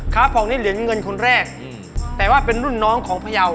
ขาพรองที่เหรียญวินเส้นคนแรกแต่ว่าเป็นรุ่นน้องของพญาว